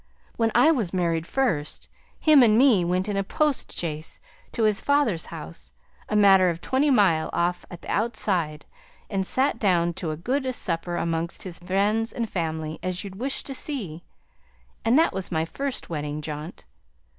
When I was married first, him and me went in a postchaise to his father's house, a matter of twenty mile off at the outside; and sate down to as good a supper amongst his friends and relations as you'd wish to see. And that was my first wedding jaunt.